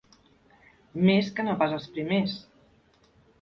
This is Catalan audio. Més que no pas els primers.